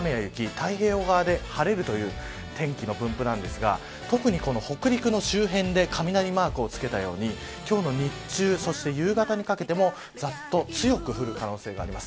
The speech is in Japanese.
太平洋側で晴れるという天気の分布なんですが特に北陸の周辺で雷マークをつけたように今日の日中、夕方にかけてもざっと強く降る可能性があります